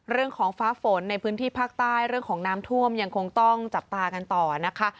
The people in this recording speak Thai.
ฟ้าฝนในพื้นที่ภาคใต้เรื่องของน้ำท่วมยังคงต้องจับตากันต่อนะคะ